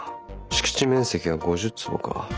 敷地面積は５０坪か。